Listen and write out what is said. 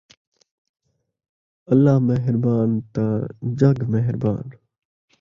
اللہ مہربان تاں جڳ مہربان